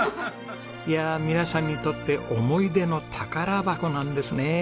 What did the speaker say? いや皆さんにとって思い出の宝箱なんですね。